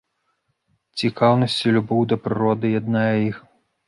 Цікаўнасць і любоў да прыроды яднае іх.